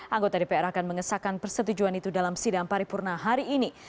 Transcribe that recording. anggota dpr akan mengesahkan persetujuan itu dalam sidang paripurna hari ini